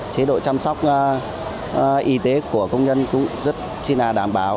chế độ chăm sóc y tế của công nhân cũng rất là đảm bảo